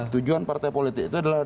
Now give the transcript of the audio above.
tujuan partai politik itu adalah